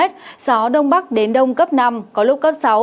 gió đông bắc đến đông cấp năm có lúc cấp sáu